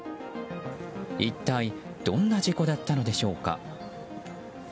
一体どんな事故だったのでしょうか。